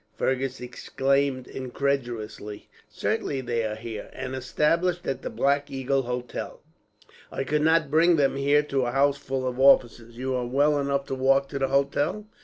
Fergus exclaimed incredulously. "Certainly they are, and established at the Black Eagle Hotel. I could not bring them here, to a house full of officers. You are well enough to walk to the hotel?"